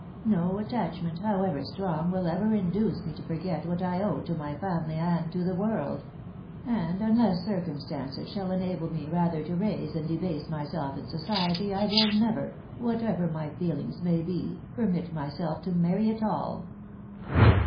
No attachment, however strong, will ever induce me to forget what I owe to my family and to the world ; and unless circumstances shall enable me rather to raise than debase myself in society, I will never, whatever my feelings may be, permit myself to marry at all."